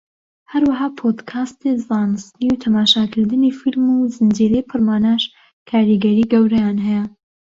هەروەها پۆدکاستی زانستی و تەماشاکردنی فیلم و زنجیرەی پڕماناش کاریگەری گەورەیان هەیە